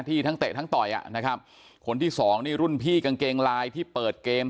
ทั้งเตะทั้งต่อยอ่ะนะครับคนที่สองนี่รุ่นพี่กางเกงลายที่เปิดเกม